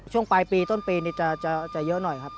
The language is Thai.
ช่วงปลายปีต้นปีนี้จะเยอะหน่อยครับ